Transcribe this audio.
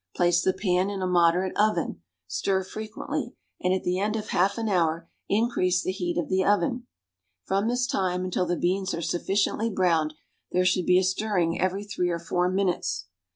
Place the pan in a moderate oven. Stir frequently, and at the end of half an hour increase the heat of the oven. From this time until the beans are sufficiently browned, there should be a stirring every three or four minutes.